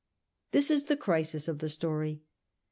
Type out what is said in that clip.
This is the crisis of the story.